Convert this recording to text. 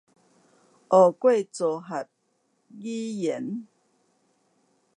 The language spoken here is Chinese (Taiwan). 學過組合語言